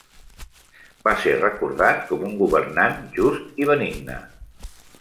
Va ser recordat com un governant just i benigne.